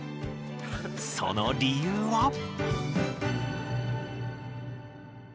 その理由は？